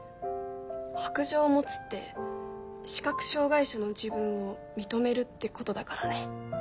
白杖持つって視覚障がい者の自分を認めるってことだからね。